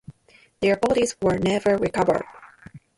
Their bodies were never recovered.